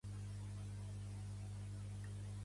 Vol que, vol que anem a recollir el seu equipatge?